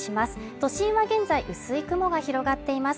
都心は現在、薄い雲が広がっています。